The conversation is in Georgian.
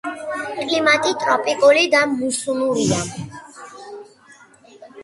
კლიმატი ტროპიკული და მუსონურია.